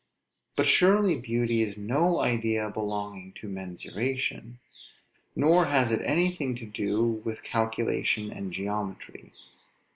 But surely beauty is no idea belonging to mensuration; nor has it anything to do with calculation and geometry.